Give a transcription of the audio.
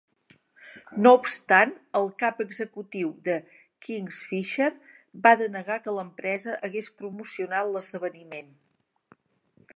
No obstant, el cap executiu de Kingfishers va denegar que l'empresa hagués promocionat l'esdeveniment.